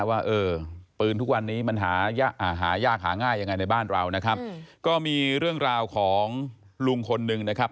ว่าเออปืนทุกวันนี้มันหายากหาง่ายยังไงในบ้านเรานะครับก็มีเรื่องราวของลุงคนหนึ่งนะครับ